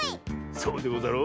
そうでござろう。